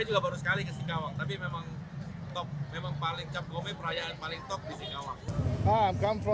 lampion yang dianggap sebagai pemenangnya